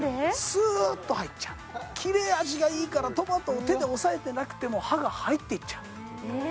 スーッと入っちゃう切れ味がいいからトマトを手で押さえてなくても刃が入っていっちゃうえ